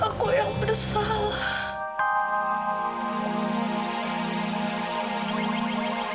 aku yang bersalah